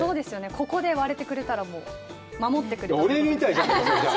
ここで割れてくれたら守ってくれたという。